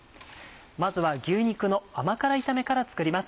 まずは牛肉の甘辛炒めから作ります。